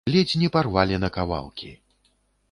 Ледзь не парвалі на кавалкі!